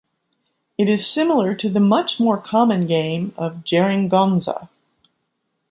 It is similar to the much more common game of "jeringonza".